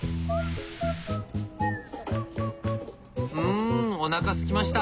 んおなかすきました。